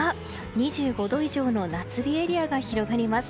２５度以上の夏日エリアが広がります。